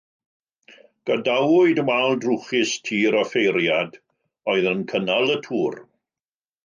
Gadawyd wal drwchus tŷ'r offeiriad oedd yn cynnal y tŵr.